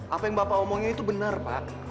apa yang bapak omongin itu benar pak